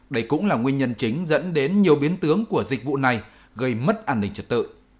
đây cũng là nguyên nhân chính dẫn đến nhiều biến tướng của dịch vụ này gây mất an ninh trật tự